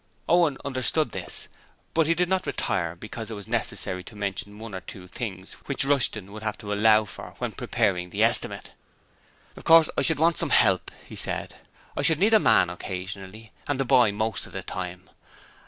Owen understood this, but he did not retire, because it was necessary to mention one or two things which Rushton would have to allow for when preparing the estimate. 'Of course I should want some help,' he said. 'I should need a man occasionally, and the boy most of the time.